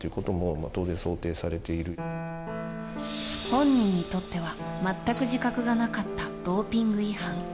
本人にとっては全く自覚がなかったドーピング違反。